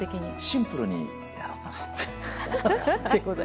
シンプルにやろうかと。